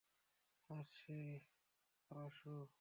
আসে, পারাসু।